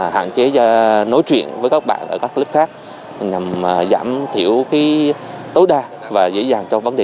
hạn chế nói chuyện với các bạn ở các lớp khác nhằm giảm thiểu tối đa và dễ dàng cho vấn đề